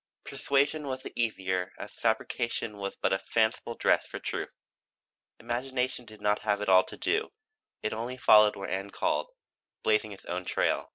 Persuasion was the easier as fabrication was but a fanciful dress for truth. Imagination did not have it all to do; it only followed where Ann called blazing its own trail.